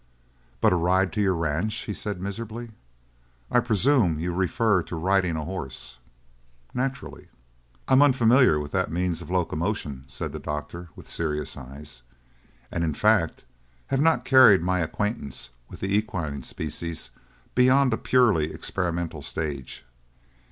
"But a ride to your ranch," he said miserably. "I presume you refer to riding a horse?" "Naturally." "I am unfamiliar with that means of locomotion," said the doctor with serious eyes, "and in fact have not carried my acquaintance with the equine species beyond a purely experimental stage.